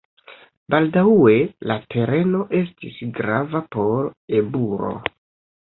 Baldaŭe la tereno estis grava por eburo.